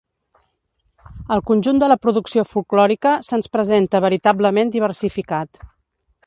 El conjunt de la producció folklòrica se’ns presenta veritablement diversificat.